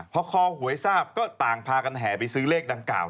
พอคอหวยทราบก็ต่างพากันแห่ไปซื้อเลขดังกล่าว